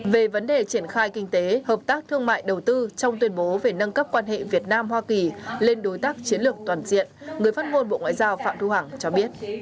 về vấn đề triển khai kinh tế hợp tác thương mại đầu tư trong tuyên bố về nâng cấp quan hệ việt nam hoa kỳ lên đối tác chiến lược toàn diện người phát ngôn bộ ngoại giao phạm thu hằng cho biết